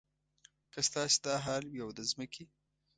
که ستاسې دا حال وي او د ځمکې.